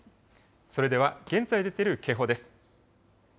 それでは現在出ている警報です。